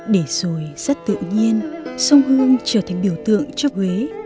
để rồi rất tự nhiên sông hương trở thành biểu tượng cho huế